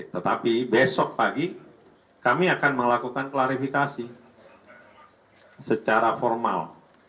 tetapi besok pagi kami akan melakukan klarifikasi secara formal